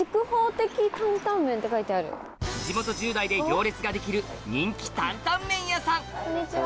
地元１０代で行列ができる人気担々麺屋さんこんにちは。